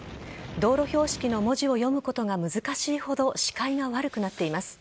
道路標識の文字を読むことが難しいほど視界が悪くなっています。